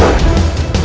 aduh kayak gitu